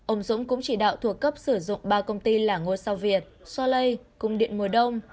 ông dũng cũng chỉ đạo thuộc cấp sử dụng ba công ty là ngô sao việt soleil cung điện mùa đông